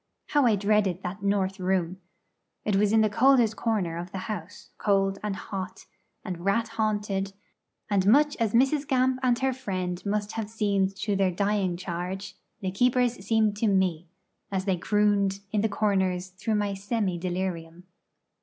How I dreaded that 'north room'! It was in the oldest corner of the house, cold and hot, and rat haunted; and much as Mrs. Gamp and her friend must have seemed to their dying charge, the keepers seemed to me, as they crooned in the corners through my semi delirium.